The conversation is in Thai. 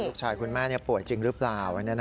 ลูกชายคุณแม่ป่วยจริงรึเปล่า